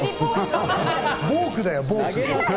ボークだよ。